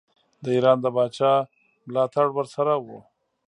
د ایران د پاچا ملاړ ورسره وو.